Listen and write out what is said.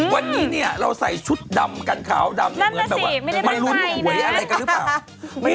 วันนี้เนี่ยเราใส่ชุดดำกันขาวดำเหมือนแบบว่าไม่รุ้นหัวอย่างอะไรกันรึเปล่านั่นแต่สิไม่ได้มันไข่นะ